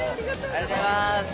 ありがとうございます。